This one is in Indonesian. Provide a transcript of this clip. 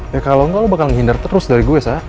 ya kalo enggak lo bakal nghindar terus dari gue sa